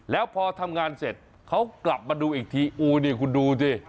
แล้วพอทำงานเสร็จเขากลับมาดูอีกทีอู้นี่คุณดูสิ